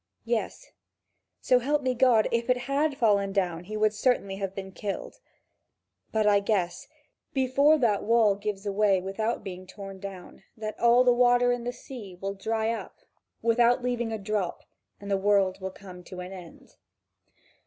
Yes, so help me God, if it had fallen down, he would certainly have been killed. But I guess, before that wall gives away without being torn down, that all the water in the sea will dry up without leaving a drop and the world will come to an end.